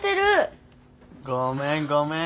ごめんごめん。